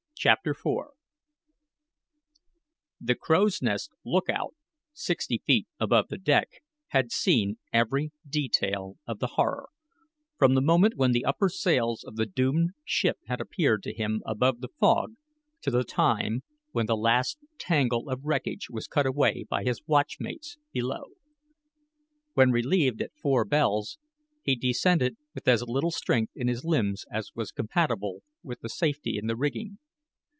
CHAPTER IV The crow's nest "lookout," sixty feet above the deck, had seen every detail of the horror, from the moment when the upper sails of the doomed ship had appeared to him above the fog to the time when the last tangle of wreckage was cut away by his watchmates below. When relieved at four bells, he descended with as little strength in his limbs as was compatible with safety in the rigging.